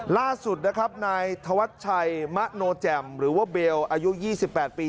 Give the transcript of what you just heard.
ล่าสุดนะครับนายธวัชชัยมะโนแจ่มหรือว่าเบลอายุ๒๘ปี